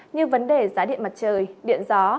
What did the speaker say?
như vấn đề giá điện mặt trời điện gió